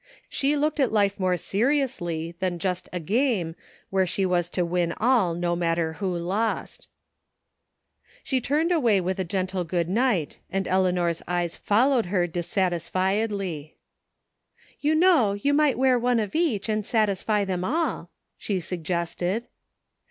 She looked at life more seriously than just a game where she was to win all no matter who lost. She ttuTied away with a gentle good night, and Eleanor's eyes followed her dissatisfiedly. You know, you might wear one of each and satisfy them all," she suggested.